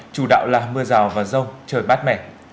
chủ đạo là mưa rào và rông trời mát mẻ